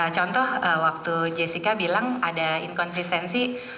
contoh waktu jessica bilang ada inkonsistensi